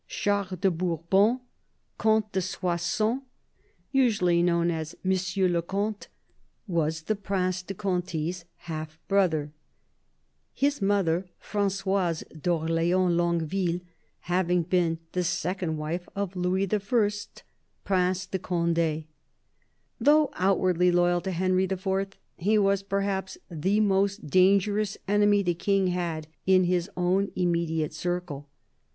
Charles de Bourbon, Comte de Soissons, usually known THE BISHOP OF LU^ON 33 as Monsieur le Comte, was the Prince de Conti's half brother, his mother, Fran9oise d'Orleans Longueville, having been the second wife of Louis I., Prince de Cond6. Though outwardly loyal to Henry IV., he was perhaps the most dangerous enemy the King had in his own immediate circle.